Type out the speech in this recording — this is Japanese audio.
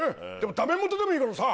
ダメもとでもいいからさ。